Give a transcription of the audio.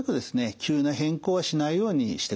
急な変更はしないようにしてください。